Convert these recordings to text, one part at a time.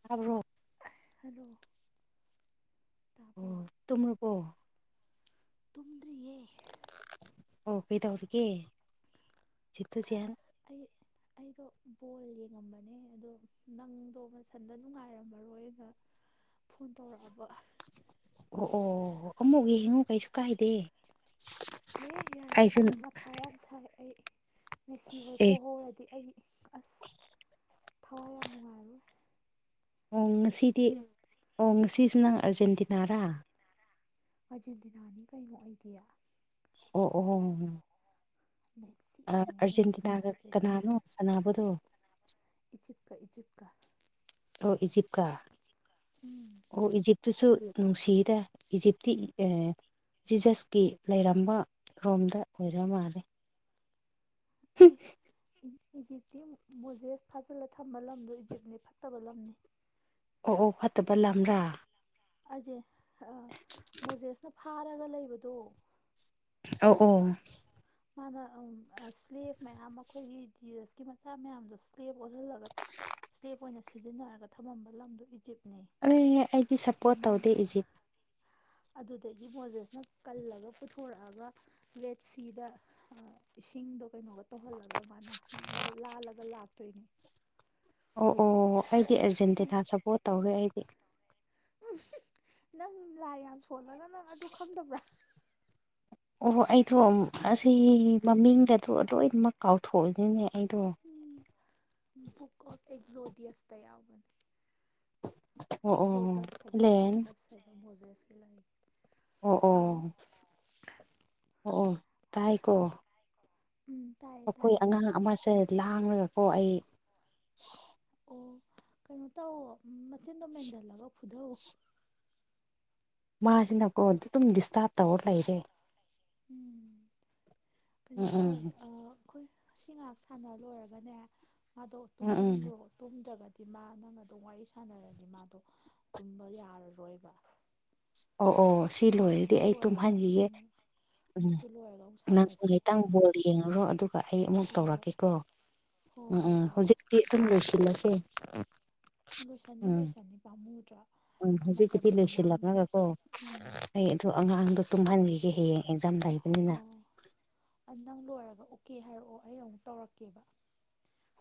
ꯆꯕ꯭ꯔꯣ hello ꯇꯥꯕ꯭ꯔꯣ ꯑꯣ ꯇꯨꯝꯂꯄꯣ ꯇꯨꯝꯗ꯭ꯔꯤꯌꯦ ꯑꯣ ꯀꯩ ꯇꯧꯔꯤꯒꯦ ꯆꯠꯇ ꯆꯦꯟ ꯑꯩ ꯑꯩꯗꯣ ꯕꯣꯜ ꯌꯦꯡꯉꯝꯕꯅꯦ ꯑꯗꯣ ꯅꯪꯗꯣ ꯃꯊꯟꯗ ꯅꯨꯡꯉꯥꯏꯔꯝꯃꯔꯣꯏꯅ ꯐꯣꯟ ꯇꯧꯔꯛꯑꯕ ꯑꯣ ꯑꯣ ꯑꯃꯨꯛ ꯌꯦꯡꯉꯨ ꯀꯩꯁꯨ ꯀꯥꯏꯗꯦ ꯍꯦꯍꯦ ꯌꯥꯏꯑꯦ ꯑꯩꯁꯨ ꯑꯩ ꯃꯊꯥ ꯌꯥꯝ ꯁꯥꯏ ꯑꯩ ꯃꯦꯁꯤ ꯍꯣꯏ ꯑꯦ ꯄꯣꯛꯍꯧꯔꯗꯤ ꯑꯩ ꯑꯁ ꯊꯋꯥꯏ ꯌꯥꯝ ꯅꯨꯡꯉꯥꯏꯔꯣꯏ ꯑꯣ ꯉꯁꯤꯗꯤ ꯑꯣ ꯉꯁꯤꯁꯨ ꯅꯪ ꯑꯥꯔꯖꯦꯟꯇꯤꯅꯥꯔꯥ ꯑꯥꯔꯖꯦꯟꯇꯤꯅꯥꯅꯤ ꯀꯩꯅꯣ ꯑꯣꯏꯗꯤ ꯑꯣ ꯑꯣ ꯃꯦꯁꯤꯅꯤ ꯃꯦꯁꯤ ꯑꯔꯖꯦꯟꯇꯤꯅꯥꯒ ꯍꯥꯏꯗ꯭ꯔꯗꯤ ꯀꯅꯥꯅꯣ ꯁꯅꯕꯗꯣ ꯏꯖꯤꯞꯀ ꯏꯖꯤꯞꯀ ꯑꯣ ꯏꯖꯤꯞꯀ ꯎꯝ ꯑꯣ ꯏꯖꯤꯞꯇꯨꯁꯨ ꯅꯨꯡꯁꯤꯗ ꯏꯖꯤꯞꯇꯤ ꯑꯦ ꯖꯤꯖꯁꯀꯤ ꯂꯩꯔꯝꯕ ꯔꯣꯝꯗ ꯑꯣꯏꯔ ꯃꯥꯜꯂꯦ ꯑꯦ [unintelligible] ꯏꯖꯤꯞꯇꯤ ꯃꯣꯖꯦꯁ ꯐꯥꯖꯤꯜꯂ ꯊꯝꯕ ꯂꯝꯗꯣ ꯏꯖꯤꯞꯅꯤ ꯐꯠꯇꯕ ꯂꯝꯅꯤ ꯑꯣ ꯑꯣ ꯐꯠꯇꯕ ꯂꯝ꯭ꯔꯥ ꯑꯩꯖꯦ ꯑꯥ ꯃꯣꯖꯦꯁꯅ ꯐꯥꯔꯒ ꯂꯩꯕꯗꯣ ꯑꯧ ꯑꯣ ꯃꯥꯅ ꯁ꯭ꯂꯦꯞ ꯃꯌꯥꯝ ꯑꯩꯈꯣꯏꯒꯤ ꯖꯤꯖꯁꯀꯤ ꯃꯆꯥ ꯃꯌꯥꯝꯗꯣ ꯁ꯭ꯂꯦꯞ ꯑꯣꯜꯍꯜꯂꯒ ꯁꯂꯦꯞ ꯑꯣꯏꯅ ꯁꯤꯖꯤꯟꯅꯔꯒ ꯊꯝꯃꯝꯕ ꯂꯝꯗꯣ ꯏꯖꯤꯞ ꯑꯦ ꯑꯩꯗꯤ ꯁꯞꯄꯣꯔꯠ ꯇꯧꯗꯦ ꯏꯖꯤꯞ ꯑꯗꯨꯗꯒꯤ ꯃꯣꯖꯦꯁꯅ ꯀꯜꯂꯒ ꯄꯨꯊꯣꯔꯛꯑꯒ ꯔꯦꯠ ꯁꯤꯗ ꯏꯁꯤꯡꯗꯣ ꯀꯩꯅꯣꯒ ꯇꯧꯍꯜꯂꯒ ꯃꯥꯅ ꯂꯥꯜꯂꯒ ꯂꯥꯛꯇꯣꯏꯅꯦ ꯑꯣ ꯑꯣ ꯑꯩꯗꯤ ꯑꯦ ꯑꯔꯖꯦꯟꯇꯤꯅꯥ ꯁꯞꯄꯣꯔꯠ ꯇꯧꯔꯦ ꯑꯩꯗꯤ ꯎꯝ ꯍꯤꯍꯤ ꯅꯪ ꯂꯥꯏ ꯌꯥꯝ ꯁꯣꯜꯂꯒ ꯅꯪ ꯑꯗꯨ ꯈꯪꯗꯕ꯭ꯔꯥ ꯑꯣꯍ ꯑꯩꯗꯣ ꯑꯁꯤ ꯃꯃꯤꯡꯗ ꯂꯣꯏꯅꯃꯛ ꯀꯥꯎꯊꯣꯛ ꯏꯅꯤꯅꯦ ꯕꯨꯛ ꯑꯣꯐ ꯑꯦꯛꯖꯣꯗꯤꯑꯁꯇ ꯌꯥꯎꯕꯅꯦ ꯑꯣ ꯑꯦꯖꯣꯠ ꯑꯣ ꯗꯁ ꯍꯥꯏꯕ ꯂꯦꯟ ꯑꯦꯖꯣꯠ ꯗꯁ ꯍꯥꯏꯕ ꯃꯣꯖꯁ ꯂꯩ ꯑꯣ ꯑꯣ [unintelligible] ꯑꯣ ꯇꯥꯏꯀꯣ ꯎꯝ ꯇꯥꯏꯌꯦ ꯑꯩꯈꯣꯏ ꯇꯥꯏꯌꯦ ꯑꯉꯥꯡ ꯑꯃꯁꯦ ꯂꯥꯡꯂꯒꯀꯣ ꯑꯩ ꯑꯣ ꯀꯩꯅꯣ ꯇꯧ ꯃꯆꯤꯟꯗꯣ ꯃꯦꯟꯁꯤꯜꯂꯒ ꯐꯨꯗꯧꯑꯣ ꯃꯥꯁꯤ ꯅꯀꯣ ꯑꯗꯨꯝ ꯗꯤꯁꯇꯥꯞ ꯇꯧꯔ ꯂꯩꯔꯦ ꯎꯝ ꯎꯝ ꯀꯩꯅꯣ ꯇꯧꯋꯦ ꯎꯝ ꯑꯥ ꯑꯩꯈꯣꯏ ꯑꯁꯤ ꯉꯥꯏꯍꯥꯛ ꯁꯥꯟꯅ ꯂꯣꯏꯔꯒꯅꯦ ꯃꯥꯗꯣ ꯎꯝ ꯎꯝ ꯇꯨꯝꯍꯟꯈ꯭ꯔꯣ ꯇꯨꯝꯗ꯭ꯔꯒꯗꯤ ꯗꯤ ꯃꯥ ꯅꯃ ꯑꯗꯨꯝ ꯋꯥꯔꯤ ꯁꯥꯟꯅꯔꯗꯤ ꯃꯥꯗꯣ ꯇꯨꯝꯕ ꯌꯥꯔꯔꯣꯏꯕ ꯑꯣ ꯑꯣ ꯁꯤ ꯑꯗꯨ ꯂꯣꯏꯔꯗꯤ ꯑꯗꯨ ꯑꯩ ꯂꯣꯏꯔꯒ ꯇꯨꯝꯍꯟꯈꯤꯒꯦ ꯎꯝ ꯎꯝ ꯑꯗꯨ ꯂꯣꯏꯔꯒ ꯑꯃꯨꯛ ꯅꯪꯁꯨ ꯁꯥꯟꯅꯁꯤ ꯈꯤꯇꯪ ꯕꯣꯜ ꯌꯦꯡꯉꯨꯔꯣ ꯑꯗꯨꯒ ꯑꯩ ꯑꯃꯨꯛ ꯍꯣꯏ ꯍꯣꯏ ꯇꯧꯔꯛꯀꯦꯀꯣ ꯍꯣꯏ ꯎꯝ ꯍꯣꯏ ꯎꯝ ꯍꯣꯏ ꯍꯧꯖꯤꯛꯇꯤ ꯑꯗꯨꯝ ꯂꯣꯏꯁꯤꯜꯂꯁꯦ ꯂꯣꯏꯁꯟꯅꯤ ꯎꯝ ꯂꯣꯏꯁꯅꯤ ꯄꯥꯝꯃꯨ ꯎꯝ ꯍꯧꯖꯤꯛꯀꯤꯗꯤ ꯂꯣꯏꯁꯤꯜꯂꯛꯂꯒꯀꯣ ꯎꯝ ꯑꯩ ꯑꯗꯨ ꯑꯉꯥꯡꯗꯣ ꯇꯨꯝꯍꯟꯈꯤꯒꯦ ꯍꯌꯦꯡ ꯑꯦꯛꯖꯥꯝ ꯂꯩꯕꯅꯤꯅ ꯑꯥꯎ ꯅꯪ ꯂꯣꯏꯔꯒ ꯑꯣꯀꯦ ꯍꯥꯏꯔꯛꯑꯣ ꯑꯩ ꯑꯃꯨꯛ ꯇꯧꯔꯛꯀꯦꯕ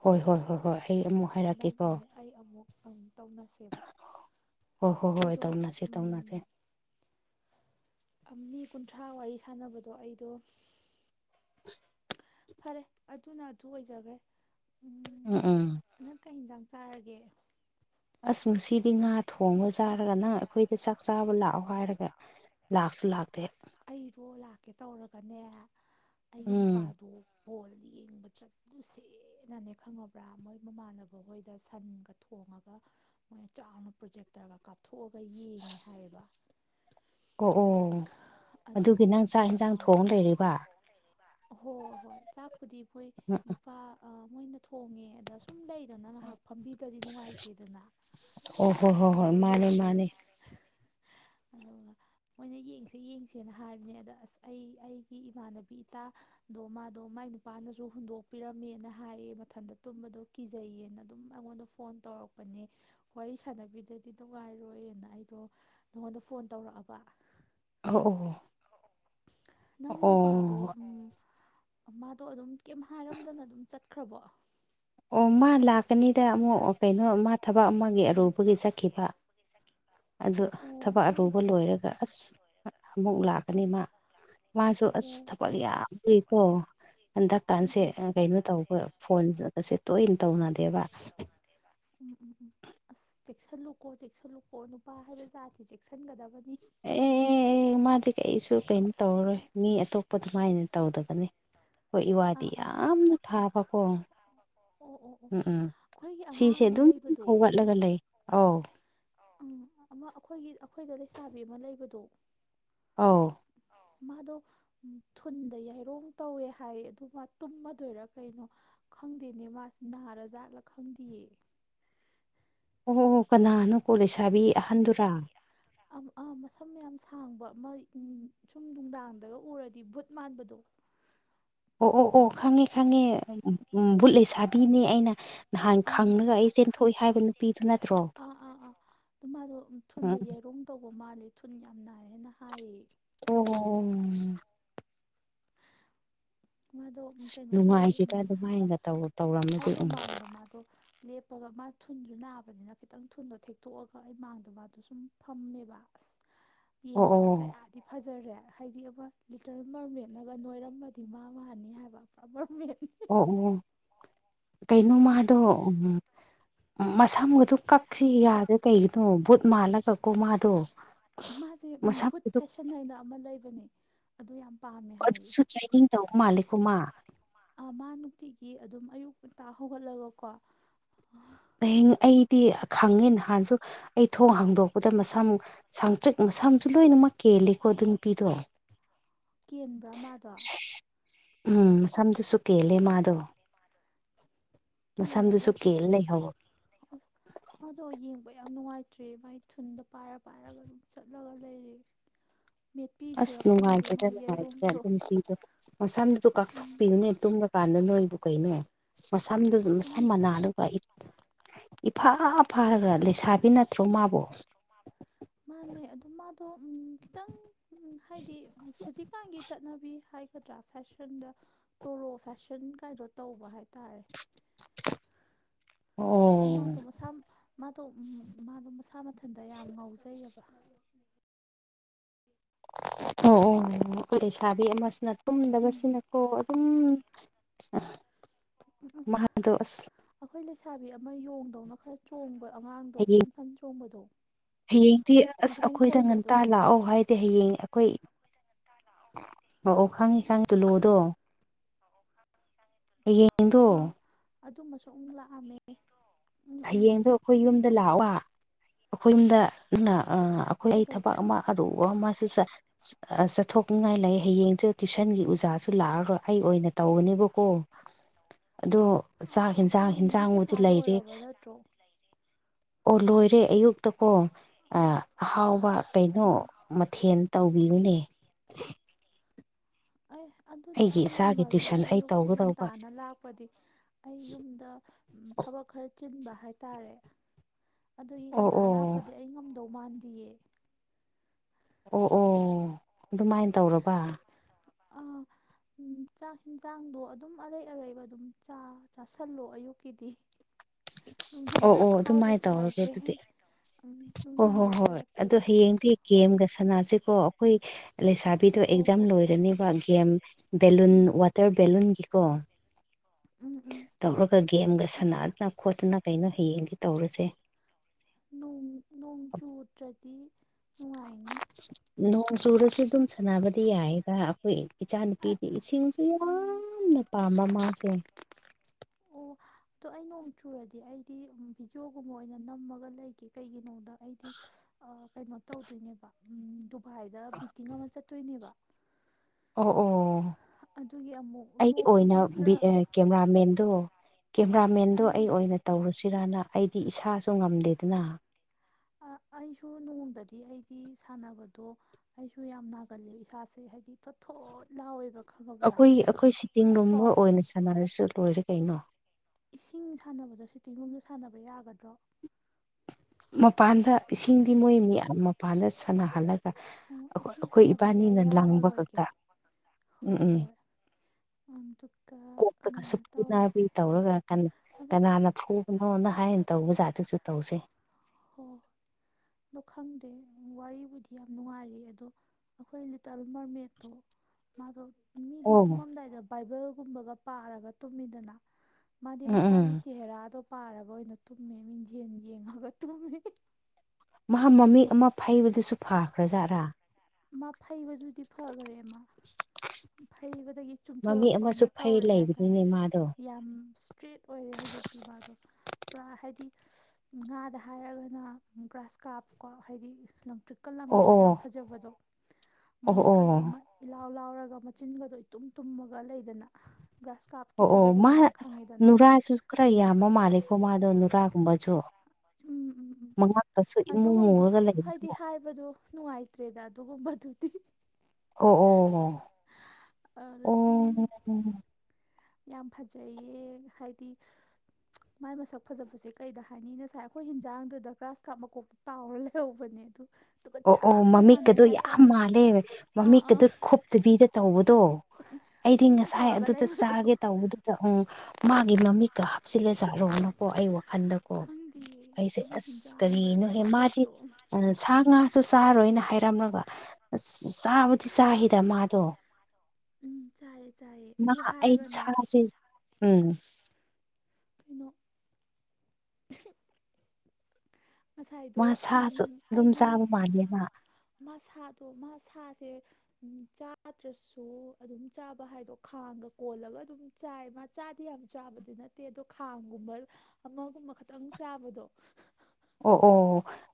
ꯍꯣꯏ ꯍꯣꯏ ꯍꯣꯏ ꯍꯣꯏ ꯑꯩ ꯑꯃꯨꯛ ꯅꯪ ꯍꯥꯏꯔꯛꯀꯦꯀꯣ ꯑꯃꯨꯛ ꯑꯩ ꯑꯃꯨꯛ ꯑꯃꯨꯛ ꯇꯧꯅꯁꯦꯕ ꯍꯣꯏ ꯍꯣ ꯍꯣꯏ ꯑꯩꯗꯣ ꯇꯧꯅꯁꯦ ꯇꯧꯅꯁꯦ ꯃꯤ ꯀꯨꯟꯊ꯭ꯔꯥ ꯋꯥꯔꯤ ꯁꯥꯟꯅꯕꯗꯣ ꯑꯩꯗꯣ [unintelligible] ꯐꯔꯦ ꯑꯗꯨꯅ ꯑꯗꯨ ꯑꯣꯏꯖꯈ꯭ꯔꯦ ꯎ ꯑ ꯅꯪ ꯀꯩ ꯌꯦꯟꯖꯥꯡ ꯆꯥꯔꯒꯦ ꯑꯁ ꯉꯁꯤꯗꯤ ꯉꯥ ꯊꯣꯡꯕ ꯆꯥꯔꯒ ꯅꯪ ꯑꯩꯈꯣꯏꯗ ꯆꯥꯛ ꯆꯥꯕ ꯂꯥꯛꯑꯣ ꯍꯥꯏꯔꯒ ꯂꯥꯛꯁ ꯑꯁ ꯑꯩꯗꯣ ꯂꯥꯛꯀꯦ ꯇꯧꯔꯒꯅꯦ ꯑꯩꯒꯤ ꯎꯝ ꯅꯨꯄꯥꯗꯣ [inaudible] ꯈꯕ ꯆꯠꯂꯨꯁꯦꯅꯅꯦ ꯈꯪꯉꯕ꯭ꯔꯥ ꯃꯣꯏ ꯃꯃꯥꯟꯅꯕ ꯍꯣꯏꯗ ꯁꯟꯒ ꯊꯣꯡꯉꯒ ꯃꯣꯏꯅ ꯆꯥꯎꯅ ꯄ꯭ꯔꯣꯖꯦꯛꯇꯔꯒ ꯀꯥꯞꯊꯣꯛꯑꯒ ꯌꯦꯡꯉꯦ ꯍꯥꯏꯌꯦꯕ [inaudible] ꯑꯣ ꯑꯗꯨꯒꯤ ꯅꯪ ꯆꯥꯛ ꯏꯟꯁꯥꯡ ꯊꯣꯡ ꯂꯩꯔꯤꯕ ꯍꯣ ꯍꯣꯏ ꯆꯥꯛꯄꯨꯗꯤ ꯃꯣꯏ ꯅꯨꯄꯥ ꯑ ꯃꯣꯏꯅ ꯊꯣꯡꯉꯦ ꯑꯗ ꯁꯨꯝ ꯂꯩꯗꯅ ꯉꯍꯥꯛ ꯐꯝꯕꯤꯗꯗꯤ ꯅꯨꯡꯉꯥꯏꯇꯦꯗꯅ ꯑꯗ ꯑꯣ ꯍꯣꯏ ꯆꯥꯛ ꯍꯣꯏ ꯍꯣꯏ ꯆꯥꯕ ꯃꯥꯅꯦ ꯂꯣꯏꯔꯦ ꯃꯥꯅꯦ ꯑꯗꯨꯒ ꯃꯣꯏꯅ ꯌꯦꯡꯉ ꯁꯦ ꯌꯦꯡꯁꯦꯅ ꯍꯥꯏꯕꯅꯦ ꯑꯗꯣ ꯑꯁ ꯑꯩ ꯑꯩꯒꯤ ꯏꯃꯥꯟꯅꯕꯤ ꯏꯇꯥꯗꯣ ꯃꯥꯗꯣ ꯃꯥꯏ ꯅꯨꯄꯥꯅꯁꯨ ꯍꯨꯟꯗꯣꯛꯄꯤꯔꯝꯃꯦꯅ ꯍꯥꯏꯌꯦ ꯃꯊꯟꯇ ꯇꯨꯝꯕꯗꯣ ꯀꯤꯖꯩꯌꯦꯅ ꯑꯗꯨꯝ ꯑꯩꯉꯣꯟꯗ ꯐꯣꯟ ꯇꯧꯔꯛꯄꯅꯦ ꯋꯥꯔꯤ ꯁꯥꯟꯅꯕꯤꯗꯗꯤ ꯅꯨꯡꯉꯥꯏꯔꯣꯏꯅ ꯑꯩꯗꯣ ꯅꯉꯣꯟꯗ ꯐꯣꯟ ꯇꯧꯔꯛꯑꯕ ꯑꯣ ꯅꯪ ꯑꯣ ꯅꯨꯄꯥꯗꯣ ꯎꯝ ꯃꯥꯗꯣ ꯑꯗꯨꯝ ꯀꯩꯝ ꯍꯥꯏꯔꯝꯗꯅ ꯑꯗꯨꯝ ꯆꯠꯈ꯭ꯔꯕꯣ ꯑꯣ ꯃꯥ ꯂꯥꯛꯀꯅꯤꯗ ꯑꯃꯨꯛ ꯀꯩꯅꯣ ꯃꯥ ꯊꯕꯛ ꯑꯃꯒꯤ ꯑꯔꯨꯕꯒꯤ ꯆꯠꯈꯤꯕ ꯑꯗꯨ ꯑꯣ ꯊꯕꯛ ꯅꯪ ꯑꯔꯨꯕ ꯂꯣꯏꯔꯒ ꯑꯁ ꯑꯃꯨꯛ ꯑꯣ ꯂꯥꯛꯀꯅꯤ ꯃꯥ ꯃꯥꯁꯨ ꯑꯁ ꯑꯣ ꯊꯄꯛ ꯌꯥꯝ ꯂꯩꯀꯣ ꯎꯝ ꯍꯟꯗꯛꯀꯥꯟꯁꯦ ꯎꯝ ꯀꯩꯅꯣ ꯇꯧꯕ ꯐꯣꯟꯒꯁꯦ ꯇꯣꯏꯅ ꯇꯧꯅꯗꯦꯕ ꯎ ꯎꯝ ꯑꯁ ꯆꯦꯛꯁꯟ ꯂꯨꯀꯣ ꯆꯦꯛꯁꯟ ꯂꯨꯀꯣ ꯄꯥ ꯍꯥꯏꯕ ꯖꯥꯇꯤ ꯆꯦꯛꯁꯤꯟꯒꯗꯕꯅꯤ ꯑꯦ ꯑꯦ ꯃꯥꯗꯤ ꯀꯩꯁꯨ ꯀꯩꯅꯣ ꯇꯧꯔꯔꯣꯏ ꯃꯤ ꯑꯇꯣꯞꯄ ꯑꯗꯨꯃꯥꯏꯅ ꯇꯧꯗꯕꯅꯤ ꯍꯣꯏ ꯏ ꯋꯥꯗꯤ ꯑꯥ ꯑꯥ ꯌꯥꯝꯅ ꯐꯥꯕꯀꯣ ꯑꯣ ꯑꯣ ꯑꯣ ꯎꯝ ꯎꯝ ꯑꯩꯈꯣꯏꯒꯤ ꯁꯤꯁꯦ ꯑꯉꯥꯡ ꯑꯃ ꯑꯗꯨꯝ ꯂꯩꯕꯗꯣ ꯍꯧꯒꯠꯂꯒ ꯂꯩ ꯑꯧ ꯎꯝ ꯑꯃ ꯑꯩꯈꯣꯏꯒꯤ ꯑꯩꯈꯣꯏꯗ ꯂꯩꯁꯥꯕꯤ ꯑꯃ ꯂꯩꯕꯗꯣ ꯑꯧ ꯃꯥꯗꯣ ꯊꯨꯟꯗ ꯌꯥꯏꯔꯣꯡ ꯇꯧꯋꯦ ꯍꯥꯏꯌꯦ ꯑꯗꯨ ꯃꯥ ꯇꯨꯝꯃꯗꯣꯏꯔꯥ ꯀꯩꯅꯣ ꯈꯪꯗꯦꯅꯦ ꯃꯥꯁꯦ ꯅꯥꯔ ꯖꯥꯠꯂ ꯈꯪꯗꯦꯌꯦ [inaudible] ꯑꯣꯍ ꯍꯣ ꯀꯅꯥꯅꯣꯀꯣ ꯂꯩꯁꯥꯕꯤ ꯑꯍꯟꯗꯨꯔꯥ ꯑꯝ ꯑꯥ ꯃꯁꯝ ꯌꯥꯝ ꯁꯥꯡꯕ ꯑꯃ ꯁꯨꯝ ꯅꯨꯡꯗꯥꯡꯗꯒ ꯎꯔꯗꯤ ꯚꯕꯨꯠ ꯃꯥꯟꯕꯗꯣ [inaudible] ꯑꯣ ꯑꯣ ꯈꯪꯉꯦ ꯈꯪꯉꯦ ꯕꯨꯠ ꯂꯩꯁꯥꯕꯤꯅꯦ ꯑꯩꯅ ꯅꯍꯥꯟ ꯑꯥ ꯈꯪꯉꯒ ꯑꯩ ꯆꯦꯟꯊꯣꯛꯏ ꯍꯥꯏꯕ ꯅꯨꯄꯤꯗꯨ ꯅꯠꯇ꯭ꯔꯣ ꯑꯥ ꯑꯥ ꯑꯥ ꯑꯗꯨ ꯃꯥꯗꯣ ꯊꯨꯟꯗ ꯎꯝ ꯌꯥꯏꯔꯣꯡ ꯇꯧꯕ ꯃꯥꯜꯜꯂꯤꯦ ꯊꯨꯟ ꯌꯥꯝ ꯅꯥꯏ ꯍꯥꯏꯅ ꯍꯥꯏꯌꯦ ꯑꯣ ꯃꯥꯗꯣ ꯀꯩꯅꯣ ꯇꯧꯋꯦ ꯎꯝ ꯅꯨꯡꯉꯥꯏꯇꯦꯗ ꯑꯗꯨꯃꯥꯏꯅ ꯇꯧ ꯑꯩ ꯇꯧꯔꯝꯃꯗꯤ ꯎꯝ ꯃꯃꯥꯡꯗ ꯃꯥꯗꯣ ꯍꯥꯞꯄꯒ ꯃꯥ ꯊꯨꯟꯁꯨ ꯅꯥꯕꯅꯤꯅ ꯈꯤꯇꯪ ꯊꯨꯟꯗꯣ ꯊꯦꯛꯇꯣꯛꯑꯒ ꯑꯩ ꯃꯥꯡꯗꯣ ꯃꯥꯗꯣ ꯁꯨꯝ ꯐꯝꯃꯦꯕ ꯑꯁ ꯑꯣ ꯑꯣ ꯌꯦꯡꯕꯗ ꯀꯌꯥꯗꯤ ꯐꯖꯔꯦ ꯍꯥꯏꯗꯤ ꯑꯃ ꯂꯤꯇꯔ ꯃꯔꯔꯃꯦꯠꯅꯒ ꯅꯣꯏꯔꯝꯃꯗꯤ ꯃꯥ ꯃꯥꯅꯤ ꯍꯥꯏꯕ ꯃꯔꯔꯃꯦꯠ ꯑꯣ ꯑꯣ ꯀꯩꯅꯣ ꯃꯥꯗꯣ ꯎꯝ ꯃꯁꯝꯒꯗꯨ ꯀꯛꯈ꯭ꯔꯤ ꯌꯥꯗ꯭ꯔꯦ ꯀꯩꯒꯤꯅꯣ ꯕꯨꯠ ꯃꯥꯜꯂꯒꯀꯣ ꯃꯥꯗꯣ ꯃꯥꯁꯦ ꯕꯨꯠ ꯃꯁꯝꯒꯗꯣ ꯐꯦꯁꯟ ꯍꯥꯏꯅ ꯑꯃ ꯂꯩꯕꯅꯦ ꯑꯗꯨ ꯌꯥꯝ ꯄꯥꯝꯃꯦ ꯍꯥꯏꯌꯦ ꯑꯗꯨꯁꯨ ꯇ꯭ꯔꯦꯅꯤꯡ ꯇꯧꯕ ꯃꯥꯜꯂꯦꯀꯣ ꯃꯥ ꯑꯥ ꯃꯥ ꯅꯨꯡꯇꯤꯒꯤ ꯑꯗꯨꯝ ꯑꯌꯨꯛ ꯉꯟꯇ ꯍꯧꯒꯠꯂꯒꯀꯣ ꯍꯌꯦꯡ ꯑꯩꯗꯤ ꯈꯪꯉꯦ ꯅꯍꯥꯟꯁꯨ ꯑꯩ ꯊꯣꯡ ꯍꯥꯡꯗꯣꯛꯄꯗ ꯃꯁꯥꯃꯛ ꯁꯥꯡꯇ꯭ꯔꯤꯛ ꯁꯝꯁꯨ ꯂꯣꯏꯅꯃꯛ ꯀꯦꯂꯀꯣ ꯑꯗꯨ ꯅꯨꯄꯤꯗꯣ ꯀꯦꯟꯕ꯭ꯔꯥ ꯃꯥꯗꯣ ꯎꯝ ꯃꯁꯝ ꯑꯗꯨꯁꯨ ꯀꯦꯜꯂꯦ ꯃꯥꯗꯣ ꯃꯁꯝꯗꯨꯁꯨ ꯀꯦꯜꯂꯦ [unintelligible] ꯑꯗꯣ ꯌꯦꯡꯕ ꯌꯥꯝ ꯅꯨꯡꯉꯥꯏꯇ꯭ꯔꯦ ꯃꯒꯤ ꯊꯨꯟꯗꯣ ꯄꯥꯏꯔ ꯄꯥꯏꯔꯒ ꯑꯗꯨꯝ ꯆꯠꯂꯒ ꯂꯩꯔꯦ [inaudible] ꯑꯁ ꯃꯦꯠꯄꯤꯁꯤꯔ ꯈꯪꯗꯦ ꯅꯨꯡꯉꯥꯏꯇꯦꯗ ꯃꯥꯏ ꯅꯨꯡꯉꯥꯏꯇꯦ ꯌꯥꯏꯔꯣꯝꯗꯣ ꯑꯗꯨꯏꯅꯨꯄꯤꯗꯣ ꯃꯁꯝꯗꯨꯗꯣ ꯎꯝ ꯀꯥꯊꯣꯛꯄꯤꯌꯨꯅꯦ ꯇꯨꯝꯂ ꯀꯥꯟꯗ ꯅꯣꯏꯕꯨ ꯀꯩꯅꯣ ꯃꯁꯝꯗꯨ ꯑꯁ ꯃꯁꯝ ꯇꯨꯝꯃꯤ ꯃꯅꯥꯗꯨꯒ ꯏꯐꯥ ꯐꯥꯔꯒ ꯂꯩꯁꯥꯕꯤ ꯅꯠꯇ꯭ꯔꯣ ꯃꯥꯕꯣ ꯃꯥꯅꯦ ꯑꯗꯣ ꯃꯥꯗꯣ ꯎꯝ ꯈꯤꯇꯪ ꯎꯝ ꯍꯥꯏꯗꯤ ꯍꯨꯖꯤꯛꯀꯥꯟꯒꯤ ꯆꯠꯅꯕꯤ ꯍꯥꯏ ꯅꯠꯇ꯭ꯔ ꯐꯦꯁꯟꯗ ꯇꯣꯔꯣ ꯐꯦꯁꯟ ꯀꯥꯏꯗꯣ ꯇꯧꯕ ꯍꯥꯏꯇꯥꯔꯦ ꯑꯣ ꯃꯥꯗꯣ ꯃꯁꯝ ꯃꯥꯗꯣ ꯃꯥꯗꯣ ꯃꯁꯥ ꯃꯊꯟꯇ ꯌꯥꯝ ꯉꯥꯎꯖꯩꯑꯕ ꯑꯣ ꯑꯣ ꯑꯩꯈꯣꯏ ꯂꯩꯁꯥꯕꯤ ꯑꯃꯁꯤꯅ ꯎꯝ ꯇꯨꯝꯗꯕꯁꯤꯅꯀꯣ ꯎꯝ ꯑꯁ ꯑꯩꯈꯣꯏ ꯂꯩꯁꯥꯕꯤ ꯑꯃ ꯌꯣꯡꯗꯧꯅ ꯈꯔ ꯆꯣꯡꯕ ꯑꯉꯥꯡꯗꯣ ꯐꯟ ꯍꯌꯦꯡ ꯐꯟ ꯆꯣꯡꯕꯗꯣ ꯍꯌꯦꯡꯗꯤ ꯑꯁ ꯃꯁꯝ ꯑꯩꯈꯣꯏꯗ ꯈꯣꯏꯕꯗꯣ ꯉꯟꯇꯥ ꯂꯥꯛꯑꯣ ꯍꯥꯏꯗꯤ ꯍꯌꯦꯡ ꯑꯩꯈꯣꯏ ꯑꯣ ꯑꯣ ꯈꯪꯉꯤ ꯈꯪꯉꯤ ꯇꯨꯂꯨꯗꯣ ꯍꯌꯦꯡꯗꯣ ꯑꯥ ꯑꯗꯨꯃꯁꯨ ꯑꯃꯨꯛ ꯂꯥꯛꯑꯝꯃꯦ ꯎꯝ ꯎꯝ ꯍꯌꯦꯡꯗꯣ ꯑꯩꯈꯣꯏ ꯌꯨꯝꯗ ꯂꯥꯛꯑꯣꯕ ꯑꯩꯈꯣꯏ ꯌꯨꯝꯗ ꯅꯪꯅ ꯑ ꯑꯩꯈꯣꯏ ꯑꯩ ꯊꯕꯛ ꯀꯩꯗꯧꯕꯒꯦ ꯑꯃ ꯑꯔꯨꯕ ꯑꯃꯁꯨ ꯆꯠ ꯑ ꯆꯠꯊꯣꯛꯅꯤꯡꯉꯥꯏ ꯂꯩ ꯍꯌꯦꯡꯁꯨ ꯇ꯭ꯋꯨꯁꯟꯒꯤ ꯎꯖꯥꯁꯨ ꯂꯥꯛꯑꯔꯣꯏ ꯑꯩ ꯑꯣꯏꯅ ꯇꯧꯔꯅꯦꯕꯀꯣ ꯑꯗꯣ ꯆꯥꯛ ꯍꯦꯟꯖꯥꯡ ꯍꯦꯟꯖꯥꯡꯕꯨꯗꯤ ꯂꯩꯔꯦ [unintelligible] ꯂꯩꯔꯦ ꯑꯣ ꯂꯣꯏꯔꯦ ꯑꯌꯨꯛꯇꯀꯣ ꯑ ꯑꯍꯥꯎꯕ ꯑꯥ ꯀꯩꯅꯣ ꯑꯣ ꯃꯊꯦꯟ ꯇꯧ ꯕꯤꯕꯅꯦ ꯑꯦ [inaudible] ꯑꯗꯨꯗꯤ ꯑꯩ ꯉꯝꯃꯔꯣꯏꯗ ꯇ꯭ꯋꯏꯁꯟ ꯑꯩ ꯑꯌꯨꯛ ꯇꯧꯒꯗꯧꯕ ꯉꯟꯇꯥꯅ ꯂꯥꯛꯄꯗꯤ ꯑꯩ ꯌꯨꯝꯗ ꯊꯕꯛ ꯈꯔ ꯆꯤꯟꯕ ꯍꯥꯏꯇꯥꯔꯦ ꯑꯗꯨꯒꯤ ꯑꯣ ꯉꯟꯇꯥ ꯑꯣ ꯂꯥꯛꯄꯗꯤ ꯑꯩ ꯉꯝꯗꯧ ꯃꯥꯟꯗꯤꯌꯦ ꯑꯣ ꯑꯣ ꯑꯗꯨꯝꯃꯥꯏꯟ ꯇꯧꯔꯕ ꯑ ꯎꯝ ꯆꯥꯛ ꯍꯦꯟꯖꯥꯡꯗꯣ ꯑꯗꯨꯝ ꯑꯔꯩ ꯑꯔꯩꯕ ꯑꯗꯨꯝ ꯆꯥ ꯆꯥꯥꯁꯜꯂꯣ ꯑꯌꯨꯛꯀꯤꯗꯤ [inaudible] ꯅꯨꯡꯗꯤꯟꯗ ꯑꯍꯥꯎꯕ ꯆꯥꯔꯁꯦ ꯎꯝ ꯍꯣ ꯍꯣ ꯅꯨꯡꯊꯤꯟꯗ ꯍꯣꯏ ꯑꯗꯣ ꯀꯣꯏꯔꯛꯀꯦꯕ ꯑꯩ ꯍꯌꯦꯡꯗꯤ ꯍꯣꯏ ꯒꯦꯝꯒ ꯁꯥꯅꯁꯤꯀꯣ ꯑꯩꯈꯣꯏ ꯂꯩꯁꯥ ꯕꯤꯗꯣ ꯍꯣ ꯑꯦꯛꯖꯥꯝ ꯍꯣꯏ ꯂꯣꯏꯔꯅꯦꯕ ꯒꯦꯝ ꯕꯦꯂꯨꯟ ꯎꯝ ꯋꯥꯇꯔ ꯕꯦꯂꯨꯟꯒꯤꯀꯣ ꯎꯝ ꯎꯝ ꯇꯧꯔꯒ ꯒꯦꯝꯒ ꯑꯁ ꯁꯥꯟꯅꯗꯅ ꯈꯣꯠꯇꯅ ꯀꯩꯅꯣ ꯍꯌꯦꯡꯗꯤ ꯇꯧꯔꯁꯦ ꯅꯣꯡ ꯅꯣꯡ ꯆꯨꯗ꯭ꯔꯗꯤ ꯅꯨꯡꯉꯥꯏꯅꯤ ꯅꯣꯡ ꯆꯨꯔꯁꯨ ꯑꯗꯨꯝ ꯁꯥꯟꯅꯕꯗꯤ ꯌꯥꯏꯗ ꯑꯩꯈꯣꯏ ꯑ ꯏꯆꯥꯅꯨꯄꯤꯗꯤ ꯏꯁꯤꯡꯁꯨ ꯎꯝ ꯌꯥꯝꯅ ꯄꯥꯝꯕ ꯃꯥꯁꯦ ꯑꫭ ꯑꯗꫭ ꯑꯩ ꯅꯣꯡ ꯆꯨꯔꯗꯤ ꯑꯩꯗꯤ ꯚꯤꯗꯤꯑꯣꯒꯨꯝꯕ ꯑꯣꯏꯅ ꯅꯝꯃꯒ ꯂꯩꯒꯦ ꯀꯩꯒꯤ ꯅꯣꯗ ꯑꯩꯗꯤ ꯑ ꯀꯩꯅꯣ ꯇꯧꯗꯣꯏꯅꯦꯕ ꯎꯝ ꯗꫭ ꯚꯥꯏꯗ ꯃꯤꯇꯤꯡ ꯑꯃ ꯆꯠꯇꯣꯏꯅꯦꯕ ꯑꯣ ꯑꯣ ꯑꯗꯨꯒꯤ ꯑꯃꯨꯛ ꯑꯩꯒꯤ ꯂꯣꯛ ꯑꯣꯏꯅ ꯑꯩꯗꯤ ꯈꯔ [unintelligible] ꯀꯦꯃꯦꯔꯥꯃꯦꯟꯗꯣ ꯀꯦꯃꯦꯔꯥꯃꯦꯟꯗꯣ ꯑꯩꯒꯤ ꯑꯩ ꯑꯣꯏꯅ ꯇꯧꯔꯁꯤꯔꯅ ꯑꯩꯗꯤ ꯏꯁꯥꯁꯨ ꯉꯝꯗꯦꯗꯅ ꯑꯩꯁꯨꯨ ꯅꯣꯡꯗꯗꯤ ꯑꯩ ꯗꯤ ꯁꯥꯟꯅꯕꯗꯣ ꯑꯩꯁꯨ ꯌꯥꯝ ꯅꯥꯒꯜꯂꯦ ꯏꯁꯥꯁꯦ ꯍꯥꯏꯗꯤ ꯊꯣꯠ ꯊꯣꯠ ꯂꯥꯎꯋꯦꯕ ꯈꯪꯉꯕ꯭ꯔꯥ ꯑꯈꯣꯏꯒꯤ ꯑꯩꯈꯣꯏ ꯁꯤꯠꯇꯤꯡ ꯄꯨꯔꯥ ꯔꯨꯝꯒ ꯁꯣꯐ ꯑꯣꯏꯅ ꯁꯥꯟꯅꯔꯁꯨ ꯂꯣꯏꯔꯦ ꯀꯩꯅꯣ ꯏꯁꯤꯡ ꯁꯥꯟꯅꯕꯗꯣ ꯁꯤꯇꯤꯡ ꯔꯨꯝꯗ ꯁꯥꯟꯅꯕ ꯌꯥꯒꯗ꯭ꯔꯣ ꯃꯄꯥꯟꯗ ꯏꯁꯤꯡꯗꯤ ꯃꯣꯏ ꯃꯤꯌꯥꯝ ꯃꯄꯥꯟꯗ ꯁꯥꯟꯅꯍꯜꯂ ꯒ ꯑꯣ ꯏꯁꯤꯡ ꯑꯈꯣꯏ ꯏꯕꯥꯅꯤꯅ ꯂꯥꯡꯕ ꯈꯛꯇ ꯍꯣ ꯍꯣꯏ ꯑꯗꯨꯒ ꯀꯣꯛꯇꯒꯁꯨꯨ ꯑꯗꯨꯃꯥꯏꯅ ꯄꯨꯟꯅꯕꯤ ꯇꯧꯔꯁꯦ ꯇꯧꯔꯒ ꯑꯗꯣ ꯑꯁ ꯀꯅꯥꯅ ꯐꯨꯕꯅꯣꯅ ꯍꯥꯏꯅ ꯇꯧꯕ ꯖꯥꯠꯇꯨꯁꯨ ꯇꯧꯁꯦ ꯍꯣ ꯑꯗꯣ ꯈꯪꯗꯦ ꯋꯥꯨꯔꯤꯕꯨꯗꯤ ꯌꯥꯝ ꯅꯨꯡꯉꯥꯏꯔꯤ ꯑꯗꯣ ꯑꯩꯈꯣꯏ ꯂꯤꯇꯜ ꯃꯔꯃꯦꯠꯇꯣ ꯃꯥꯗꯣ ꯃꯤꯗꯤ ꯑꯣ ꯇꯨꯝꯃꯝꯗꯥꯏꯗ ꯕꯥꯏꯕꯜꯒꯨꯝꯕꯒ ꯄꯥꯔꯒ ꯇꯨꯝꯃꯤꯗꯅ ꯃꯥꯗꯤ ꯎꯝ ꯃꯁꯥꯒꯤ ꯎꯝ ꯆꯦꯍꯦꯔꯥꯗꯣ ꯄꯥꯔꯒ ꯑꯣꯏꯅ ꯇꯨꯝꯃꯦ ꯃꯤꯡꯖꯦꯟ ꯌꯦꯡꯉꯒ ꯇꯨꯝꯃꯦ ꯃꯥ ꯃꯃꯤꯠ ꯑꯃ ꯐꯩꯕꯗꯨꯁꯨ ꯐꯈ꯭ꯔꯖꯥꯠꯔ ꯃꯥ ꯐꯩꯕꯖꯨꯗꯤ ꯐꯒ꯭ꯔꯦ ꯃꯥ ꯐꯩꯕꯗꯒꯤ ꯃꯃꯤꯠ ꯆꯨꯝꯊꯣꯔꯛꯄ ꯑꯃꯁꯨ ꯑꯃ ꯐꯩ ꯇꯧꯔꯦ ꯍꯥꯏꯇꯥꯔꯦ ꯂꯩꯕꯅꯤꯅꯦ ꯃꯥꯗꯣ ꯌꯥꯝ ꯏꯁꯇ꯭ꯔꯦꯠ ꯑꯣꯏꯔꯦ ꯍꯧꯖꯤꯛꯇꯤ ꯃꯥꯗꯣ ꯄꯨꯔꯥ ꯍꯥꯏꯗꯤ ꯉꯥꯗ ꯍꯥꯏꯔꯒꯅ ꯒ꯭ꯔꯥꯁ ꯀꯥꯞ ꯀꯣ ꯍꯥꯏꯗꯤ ꯂꯪꯇ꯭ꯔꯤꯛ ꯀ ꯑꯣ ꯂꯪꯉꯒ ꯑꯣ ꯌꯥꯝ ꯐꯖꯕꯗꯣ ꯑꯣ ꯃꯤꯠꯀꯗꯣ ꯑꯣ ꯑꯃ ꯏꯂꯥꯎ ꯂꯥꯎꯔꯒ ꯃꯆꯤꯟꯒꯗꯣ ꯏꯇꯨꯝ ꯇꯨꯝꯃꯒ ꯂꯩꯗꯅ ꯒ꯭ꯔꯥꯁ ꯀꯥꯞꯀꯤ ꯑꯣ ꯑꯣ ꯐꯖꯕꯗꯣ ꯃꯥ ꯅꯪ ꯈꯪꯉꯤꯗꯅ ꯅꯨꯔꯥꯁꯨ ꯈꯔ ꯌꯥꯝꯕ ꯃꯥꯜꯂꯦꯀꯣ ꯃꯥꯗꯣ ꯅꯨꯔꯥꯒꯨꯝꯕꯖꯨ [inaudible] ꯏꯃꯨ ꯑꯗꯨꯒꯨꯝꯗꯣ ꯃꯨꯔꯒ ꯍꯥꯏꯗꯤ ꯂꯩꯕꯗꯣ ꯍꯥꯏꯕꯗꯣ ꯅꯨꯡꯉꯥꯏꯇ꯭ꯔꯦꯗ ꯑꯗꯨꯒꯨꯝꯕꯗꯨ ꯑꯣ ꯑꯗ ꯑꯣ ꯁꯨꯝ ꯑꯣ ꯌꯥꯝ ꯐꯖꯩꯌꯦ ꯍꯥꯏꯗꯤ ꯃꯥꯏ ꯃꯁꯛ ꯐꯖꯕꯁꯦ ꯀꯩꯗ ꯍꯥꯏꯅꯤ ꯅꯁꯥꯏ ꯑꯈꯣꯏ ꯍꯤꯟꯖꯥꯡꯗꯨꯗ ꯒ꯭ꯔꯥꯁ ꯀꯥꯞ ꯃꯀꯣꯛꯇꯣ ꯇꯥꯎꯔ ꯂꯩꯍꯧꯕꯅꯦ ꯑꯗꯨ ꯑꯗꯨꯒ ꯑꯣ ꯑꯣ ꯆꯞ ꯍꯦꯛ ꯃꯥꯟꯅꯩ ꯃꯃꯤꯠꯀꯗꯨꯣ ꯌꯥꯝ ꯍꯥꯏꯇꯥꯔꯦ ꯃꯥꯜꯂꯦ ꯑꯥ ꯑꯥ ꯃꯃꯤꯠꯀꯗꯨ ꯈꯨꯞꯇꯕꯤꯗ ꯇꯧꯕꯗꯣ ꯑꯩꯗꯤ ꯏꯪ ꯉꯁꯥꯏ ꯇꯧꯔꯒ ꯑꯗꯨꯗ ꯂꯩꯕꯗꯣ ꯆꯥꯒꯦ ꯇꯧꯕꯗꯨꯗ ꯎꯪ ꯃꯥ ꯒꯤ ꯃꯃꯤꯠꯀ ꯍꯥꯞꯆꯤꯜꯂ ꯖꯥꯠꯔꯣꯅꯀꯣ ꯑꯩ ꯋꯥ ꯈꯟꯗꯀꯣ ꯈꯪꯗꯤꯌꯦ ꯑꯩꯁꯦ ꯑꯃ ꯑꯁ ꯍꯤꯟꯖꯥꯡꯗꯨꯗ ꯀꯔꯤꯅꯣꯍꯦ ꯃꯥꯗꯤ ꯃꯀꯣꯛꯇꯣ ꯑ ꯁꯥ ꯉꯥꯁꯨ ꯆꯥ ꯆꯥꯔꯣꯏꯅ ꯍꯥꯏꯔꯝꯔꯒ ꯑꯁ ꯆꯥꯕꯗꯤ ꯆꯥꯍꯤꯗ ꯃꯥꯗꯣ ꯎꯝ ꯆꯥꯏꯌꯦ ꯆꯥꯏꯌꯦ ꯃꯥ ꯑꯗꯨ ꯑꯩ ꯍꯥꯏꯔꯒꯅꯦ ꯁꯥꯖꯦ ꯎꯝ ꯀꯤꯅꯣ [unintelligible] ꯃꯥ ꯉꯁꯥꯏꯗꯣ ꯁꯥꯁꯨ ꯎꯝ ꯑꯗꯨꯝ ꯑꯩꯒꯤ ꯆꯥꯕ ꯃꯥꯜꯂꯦ ꯃꯥ ꯃꯁꯥꯗꯣ ꯃꯁꯥ ꯁꯥꯥꯖꯦ ꯎꯝ ꯆꯥꯗ꯭ꯔꯁꯨ ꯑꯗꯨꯝ ꯆꯥꯕ ꯍꯥꯏꯗꯣ ꯈꯥꯡꯒ ꯀꯣꯜꯂꯒ ꯑꯗꯨꯝ ꯆꯥ ꯍꯥꯥꯏ ꯃꯥ ꯆꯥꯗꯤ ꯌꯥꯝ ꯆꯥꯕꯗꯤ ꯅꯠꯇꯦ ꯑꯗꯣ ꯈꯥꯡꯒꯨꯝꯕ ꯑꯃꯒꯨꯝꯕ ꯈꯇꯪ ꯆꯥꯕꯗꯣ ꯑꯣ ꯑꯣ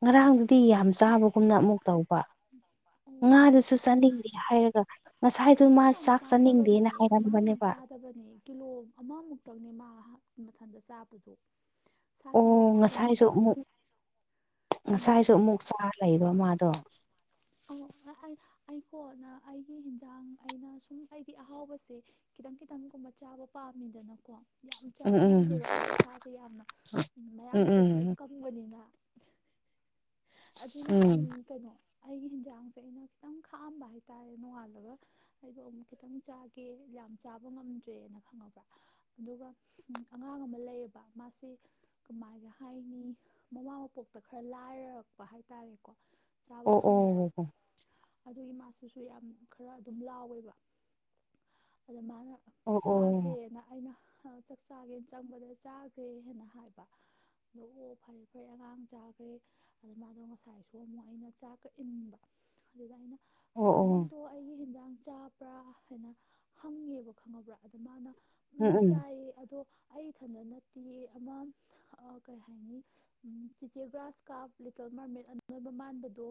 ꯉꯔꯥꯡꯗꯨꯗꯤ ꯌꯥꯝ ꯆꯥꯕꯒꯨꯝꯅ ꯑꯃꯨꯛ ꯇꯧꯕ ꯑꯣ ꯉꯥꯗꯨꯁꯨ ꯈꯪꯗꯦ ꯆꯥꯅꯤꯡꯗꯦ ꯍꯥꯏꯔꯒ ꯉꯁꯥꯏꯗꯨ ꯃꯥ ꯆꯥꯛ ꯆꯥꯅꯤꯡꯗꯦꯅ ꯍꯥꯏꯔꯝꯕꯅꯦꯕ ꯕꯅꯦ ꯀꯤꯂꯣ ꯑꯃꯃꯨꯛꯇꯪꯅꯦ ꯃꯥꯍꯥꯛ ꯃꯊꯟꯗ ꯆꯥꯕꯗꯣ ꯁꯥ ꯀꯤꯂꯣ ꯑꯣ ꯑꯃꯒꯨꯝꯕ ꯉꯁꯥꯏꯁꯨ ꯈꯇꯅꯦ ꯑꯃꯨꯛ ꯉꯁꯥꯏꯁꯨ ꯑꯃꯨꯛ ꯆꯥꯔ ꯂꯩꯕ ꯃꯥꯗꯣ ꯑꯣ ꯑꯩ ꯑꯩꯀꯣꯟꯅ ꯑꯩꯒꯤ ꯍꯤꯟꯖꯥꯡ ꯑꯩꯅ ꯁꯨꯝ ꯑꯩꯗꯤ ꯑꯍꯥꯎꯕꯁꯦ ꯈꯤꯇꯪ ꯈꯤꯇꯪꯒꯨꯝꯕ ꯆꯥꯕ ꯄꯥꯝꯃꯤꯗꯅꯀꯣ ꯌꯥꯝ ꯎꯝ ꯆꯥꯕ ꯎꯝ ꯉꯝꯗꯦꯕ ꯑꯩ ꯏꯁꯥꯖꯦ ꯌꯥꯝꯅ ꯃꯌꯥꯡ ꯎꯝ ꯀꯪꯇ꯭ꯔꯤꯛ ꯎꯝ ꯀꯪꯕꯅꯤꯅ ꯑꯗꯨꯅ ꯎꯝ ꯀꯩꯅꯣ ꯑꯩꯒꯤ ꯍꯤꯟꯖꯥꯡꯖꯦ ꯑꯩꯅ ꯈꯤꯇꯪ ꯈꯥꯛꯑꯝꯕ ꯍꯥꯏꯇꯥꯔꯦ ꯅꯣꯡꯉꯥꯟꯕꯒ ꯑꯩꯗꯣ ꯑꯃꯨꯛ ꯈꯤꯇꯪ ꯆꯥꯒꯦꯅ ꯌꯥꯝ ꯆꯥꯕ ꯉꯝꯗ꯭ꯔꯦꯅ ꯈꯪꯉꯕ꯭ꯔꯥ ꯑꯗꯨꯒ ꯍꯝ ꯑꯉꯥꯡ ꯑꯃ ꯂꯩꯌꯦꯕ ꯃꯥꯁꯤ ꯀꯃꯥꯏꯅ ꯍꯥꯏꯅꯤ ꯃꯃꯥꯡ ꯃꯄꯣꯛꯇ ꯈꯔ ꯂꯥꯏꯔꯔꯛꯄ ꯍꯥꯏꯇꯥꯔꯦꯀꯣ ꯆꯥꯕ ꯑꯣ ꯐꯪꯗꯕ ꯑꯣ ꯑꯗꯨꯒꯤ ꯃꯥꯁꯨꯁꯨ ꯌꯥꯝ ꯈꯔ ꯑꯗꯨꯝ ꯂꯥꯎꯋꯦꯕ ꯑꯗ ꯃꯥꯅ ꯑꯣ ꯑꯣ ꯆꯥꯈ꯭ꯔꯦꯅ ꯑꯩꯅ ꯍ ꯆꯥꯛ ꯆꯥꯒꯦꯟ ꯆꯪꯕꯗ ꯆꯥꯈ꯭ꯔꯦꯅ ꯍꯥꯏꯕ ꯗ ꯑꯣ ꯐꯔꯦ ꯐꯔꯩ ꯑꯉꯥꯡ ꯆꯥꯒ꯭ꯔꯦ ꯑꯗ ꯃꯥꯗꯣ ꯉꯁꯥꯏꯁꯨ ꯑꯃꯨꯛ ꯑꯩꯅ ꯆꯥꯛ ꯀ ꯏꯟꯕ ꯑꯗꯨꯗ ꯑꯩꯅ ꯑ ꯑꯣ ꯑꯣ ꯅꯪꯗꯣ ꯑꯩꯒꯤ ꯍꯤꯟꯖꯥꯡ ꯆꯥꯕ꯭ꯔꯥ ꯍꯥꯏꯅ ꯍꯪꯉꯦꯕ ꯈꯪꯉꯕ꯭ꯔꯥ ꯑꯗ ꯃꯥꯅ ꯎꯝ ꯆꯥꯏꯌꯦ ꯑꯗꯣ ꯑꯩ ꯏꯊꯟꯗ ꯅꯠꯇꯤꯌꯦ ꯑꯃ ꯑ ꯀꯩ ꯍꯥꯏꯅꯤ ꯎꯝ ꯆꯤꯆꯦ ꯒ꯭ꯔꯥꯁ ꯀꯥꯞ ꯂꯤꯇꯜ ꯃꯥꯔꯃꯦꯠ ꯑꯅꯣꯢꯕ ꯃꯥꯟꯕꯗꯣ